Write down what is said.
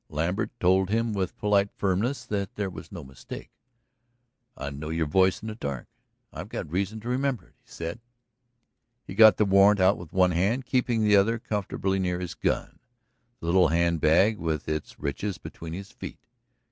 Lambert told him with polite firmness that there was no mistake. "I'd know your voice in the dark I've got reason to remember it," he said. He got the warrant out with one hand, keeping the other comfortably near his gun, the little hand bag with its riches between his feet.